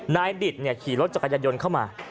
ดิตขี่รถจักรยานยนต์เข้ามา